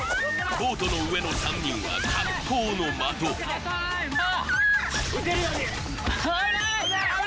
ボートの上の３人は格好の的危ない！